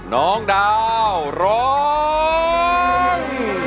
น้องดาวร้อง